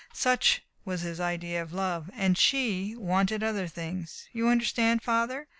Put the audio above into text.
Such was his idea of love. And she wanted other things. You understand, Father?...